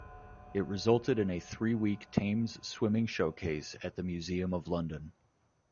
It resulted in a three-week Thames swimming showcase at the Museum of London.